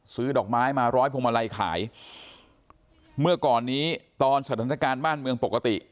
ดอกไม้มาร้อยพวงมาลัยขายเมื่อก่อนนี้ตอนสถานการณ์บ้านเมืองปกติ